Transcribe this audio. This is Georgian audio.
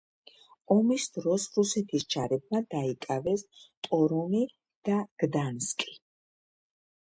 ომის დროს რუსეთის ჯარებმა დაიკავეს ტორუნი და გდანსკი.